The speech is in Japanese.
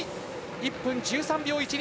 １分１３秒１２。